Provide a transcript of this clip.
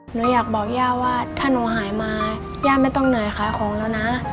หนูอยากบอกย่าว่าถ้าหนูหายมาย่าไม่ต้องเหนื่อยขายของแล้วนะ